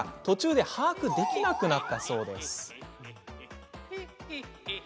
途中で把握できなくなったそうです。